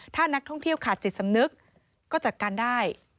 ถ้านักท่องเที่ยวขาดจิตสำนึกก็จัดการได้